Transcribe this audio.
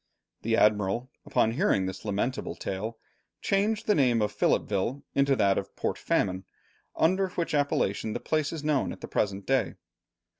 The Admiral, upon hearing this lamentable tale, changed the name of Philippeville into that of Port Famine, under which appellation the place is known at the present day.